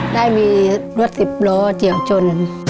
ได้มีรถสิบล้อเฉียวชน